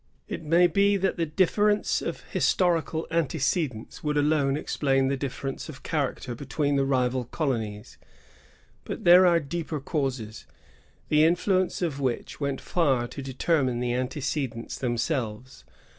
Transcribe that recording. It may be that the difference of historical ante cedents would alone explain the difference of charac ter between the rival colonies ; but there are deeper causes, the influence of which went far to determine 1668 1768.] MILITARY QUALITIES. 201 the antecedents themselves.